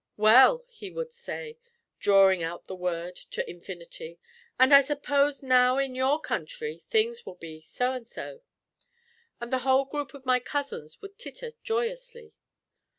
"Well," he would say, drawing out the word to infinity, "and I suppose now in your country, things will be so and so." And the whole group of my cousins would titter joyously.